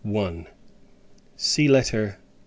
See LETTER X.